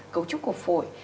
cấu trúc của phổi